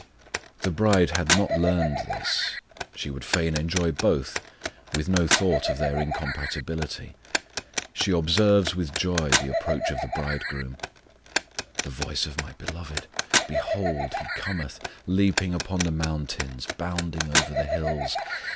The bride had not learned this: she would fain enjoy both, with no thought of their incompatibility. She observes with joy the approach of the Bridegroom. The voice of my Beloved: Behold He cometh Leaping upon the mountains, bounding over the hills.